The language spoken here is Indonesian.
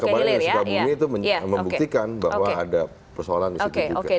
kemarin yang sudah bumi itu membuktikan bahwa ada persoalan disitu